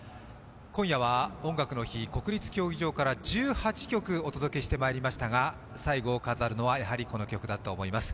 今夜は「音楽の日」、国立競技場から１８曲お送りしてまいりましたが、最後を飾るのは、やはりこの曲だと思います。